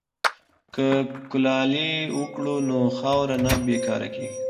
که کلالي وکړو نو خاوره نه بې کاره کیږي.